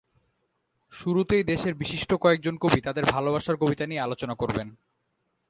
শুরুতেই দেশের বিশিষ্ট কয়েকজন কবি তাঁদের ভালোবাসার কবিতা নিয়ে আলোচনা করবেন।